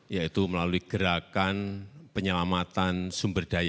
yaitu melalui gerakan penyelamatan sumber daya